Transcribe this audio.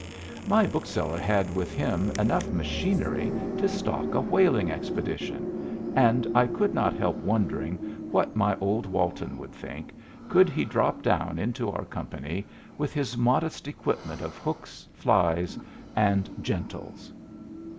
My bookseller had with him enough machinery to stock a whaling expedition, and I could not help wondering what my old Walton would think, could he drop down into our company with his modest equipment of hooks, flies, and gentles.